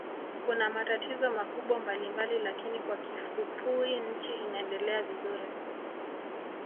Kuna matatizo makubwa mbalimbali lakini kwa kifupui nchi inaendelea vizuri